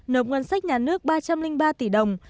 nộp ngân sách nhà nước ba trăm linh ba tỷ đồng